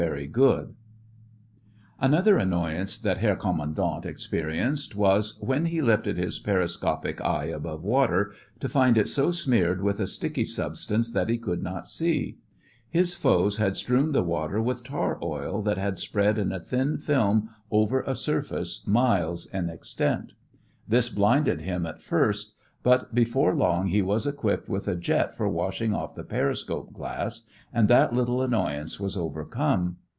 How a ship hid behind a screen of smoke produced by throwing smoke boxes overboard] Another annoyance that Herr Kommandant experienced was, when he lifted his periscopic eye above water, to find it so smeared with a sticky substance that he could not see. His foes had strewn the water with tar oil that had spread in a thin film over a surface miles in extent. This blinded him at first, but before long he was equipped with a jet for washing off the periscope glass and that little annoyance was overcome.